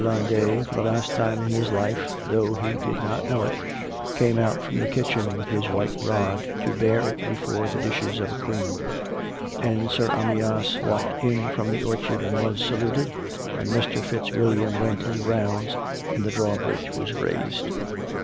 Landet, for the last time in his life (though he did not know it), came out from the kitchen with his white rod to bear it before the dishes of a Queen; and Sir Amyas walked in from the orchard and was saluted, and Mr. FitzWilliam went his rounds, and the drawbridge was raised.